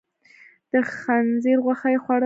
د خنزير غوښه يې خوړله.